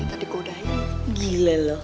tadi kau udah gila loh